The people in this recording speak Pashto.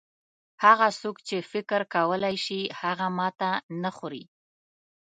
هغه څوک چې فکر کولای شي هغه ماته نه خوري.